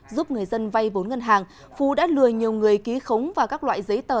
giúp người dân vay vốn ngân hàng phú đã lừa nhiều người ký khống và các loại giấy tờ